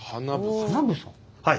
はい。